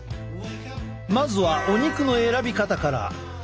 まずはお肉の選び方から。